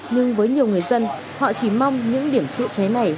nhưng với nhiều người dân họ chỉ mong những điểm chữa cháy này